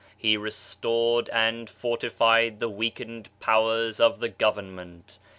He restored and fortified the weakened powers of the Government.